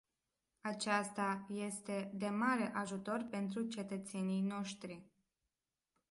Aceasta este de mare ajutor pentru cetățenii noștri.